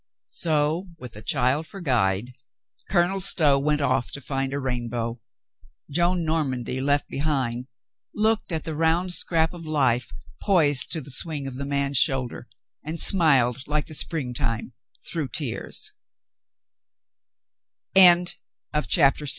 So, with a child for guide. Colonel Stow went off to find a rainbow. Joan Normandy, left behind, looked at the round scrap of life poised to the swing of the man's shoulder, and smiled like the spring time, through tears.